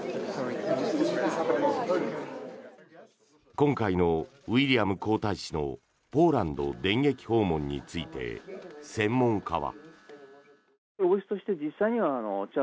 今回のウィリアム皇太子のポーランド電撃訪問について専門家は。